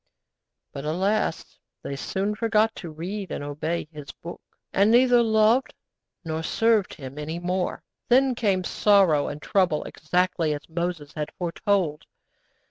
But, alas! they soon forgot to read and obey His Book, and neither loved nor served Him any more. Then came sorrow and trouble exactly as Moses had foretold.